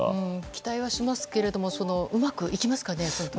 期待はしますけどもうまくいきますかね。